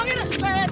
eh gimana sih